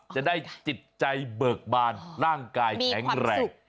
จะได้จิตใจเบิกบานร่างกายแข็งแรงมีความสุข